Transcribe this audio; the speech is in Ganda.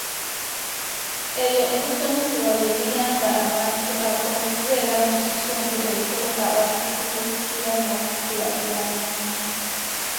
Ebyo ebisomesebwa bye biyamba abantu abo okubeera mu kitundu ekyo mwe basibukira n’okukulaakulaniramu.